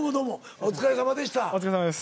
お疲れさまです。